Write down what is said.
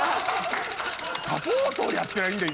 サポートをやってりゃいいんだよ。